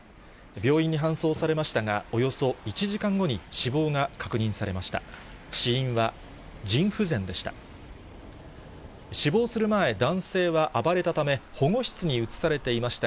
病院に搬送されましたが、およそ１時間後に死亡が確認されました。